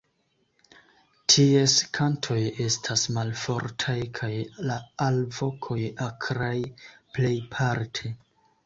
Ties kantoj estas malfortaj kaj la alvokoj akraj plejparte.